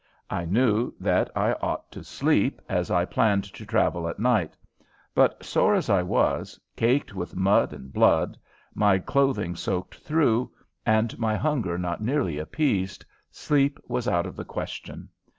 I knew that I ought to sleep, as I planned to travel at night, but, sore as I was, caked with mud and blood, my clothing soaked through, and my hunger not nearly appeased, sleep was out of the question.